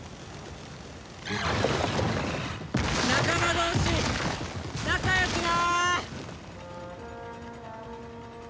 仲間同士仲良くな！